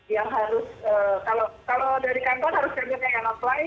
yang harus kalau dari kantor harus kemudian yang meng apply